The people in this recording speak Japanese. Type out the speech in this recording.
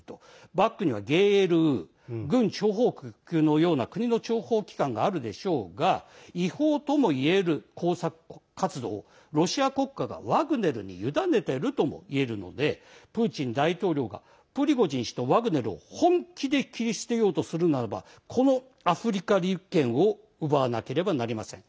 バックにはＧＲＵ軍諜報局のような国の諜報機関があるでしょうが違法ともいえる工作活動をロシア国家がワグネルに委ねているともいえるのでプーチン大統領がプリゴジン氏とワグネルを本気で切り捨てようとするならばこのアフリカ利権を奪わなければなりません。